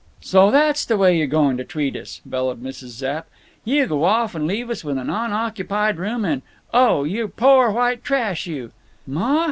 "So that's the way you're going to treat us!" bellowed Mrs. Zapp. "You go off and leave us with an unoccupied room and— Oh! You poor white trash—you—" "_Ma!